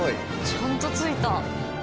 ちゃんと着いた。